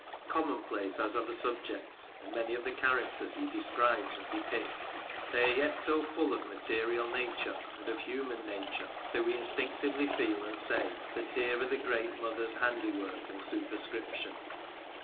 Common, nay, common place. as are the subjects, Edwin Waugh. 35 and many of the characters he describes and depicts, they are yet so full of material nature, and of human nature, that we instinctively feel and say that here are the great mother's handiwork and superscription.